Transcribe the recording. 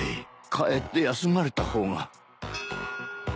帰って休まれた方が。